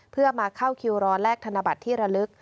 เพื่อมาเข้าคิวรอแลกธนบัตรที่ระลึก